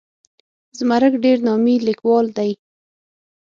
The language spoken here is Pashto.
زمرک ډېر نامي لیکوال دی.